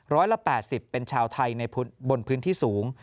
ร้อยละ๘๐เป็นชาวไทยในบนพื้นที่สูง